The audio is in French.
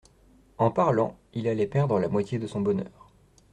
En parlant, il allait perdre la moitié de son bonheur.